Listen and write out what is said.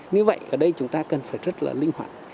như vậy ở đây chúng ta cần phải rất là linh hoạt